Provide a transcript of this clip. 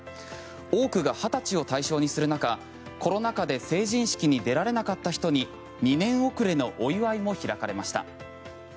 多くが２０歳を対象にする中コロナ禍で成人式に出られなかった人に２年遅れのお祝いも開かれました。